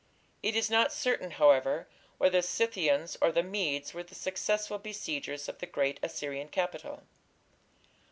It is not certain, however, whether the Scythians or the Medes were the successful besiegers of the great Assyrian capital.